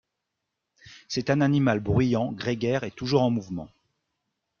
C'est un animal bruyant, grégaire et toujours en mouvement.